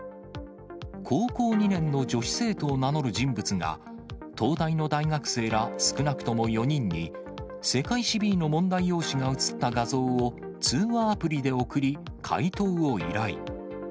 高校２年の女子生徒を名乗る人物が東大の大学生ら少なくとも４人に、世界史Ｂの問題用紙がうつった画像を通話アプリで送り、解答を依頼。